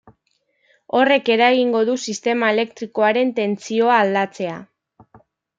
Horrek eragingo du sistema elektrikoaren tentsioa aldatzea.